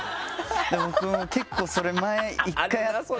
僕結構それ前１回あって。